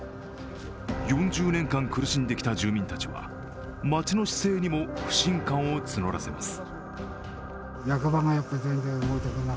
４０年間苦しんできた住民たちは町の姿勢にも不信感を募らせます。